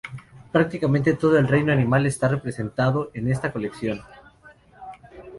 Prácticamente todo el reino animal está representado en esta colección.